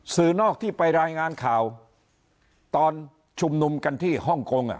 นอกที่ไปรายงานข่าวตอนชุมนุมกันที่ฮ่องกง